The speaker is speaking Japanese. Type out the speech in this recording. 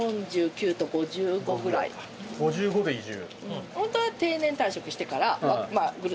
５５で移住。